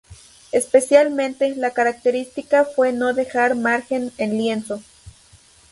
Especialmente, la característica fue no dejar margen en lienzo.